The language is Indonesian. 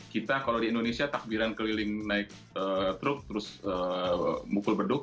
kita kalau di indonesia takbiran keliling naik truk terus mukul beduk